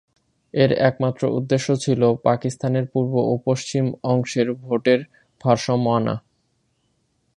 এর একমাত্র উদ্দেশ্য ছিল পাকিস্তানের পূর্ব ও পশ্চিম অংশের ভোটের ভারসাম্য আনা।